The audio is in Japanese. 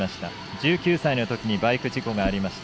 １９歳のときにバイク事故がありました。